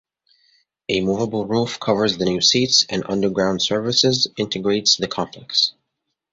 A movable roof covers the new seats and underground services integrates the complex.